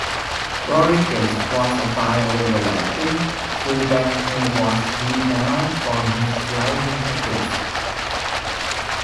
Rodrigues was a fine over-lapping full-back who was renowned for his sliding tackles.